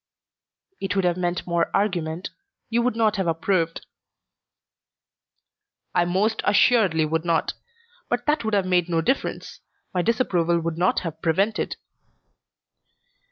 "It would have meant more argument. You would not have approved." "I most assuredly would not. But that would have made no difference. My disapproval would not have prevented."